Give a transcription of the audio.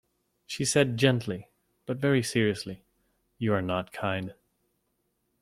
She said gently, but very seriously, "you are not kind."